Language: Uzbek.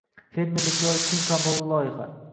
Fermerlikka oid keng qamrovli loyiha